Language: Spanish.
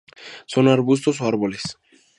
Son arbustos o árboles.